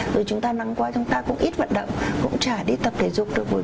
rồi chúng ta nắng qua chúng ta cũng ít vận động cũng chả đi tập thể dục được rồi